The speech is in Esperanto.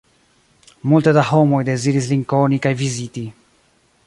Multe da homoj deziris lin koni kaj viziti.